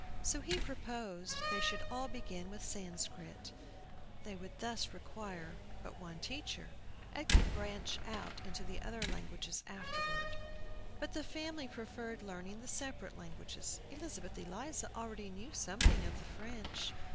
So he proposed they should all begin with Sanscrit. They would thus require but one teacher, and could branch out into the other languages afterward. But the family preferred learning the separate languages. Elizabeth Eliza already knew something of the French.